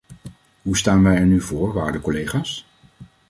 Hoe staan wij er nu voor, waarde collega's?